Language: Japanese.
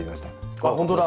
あっ本当だ！